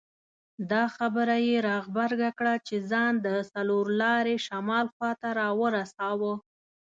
دا خبره یې را غبرګه کړه چې ځان د څلور لارې شمال خواته راورساوه.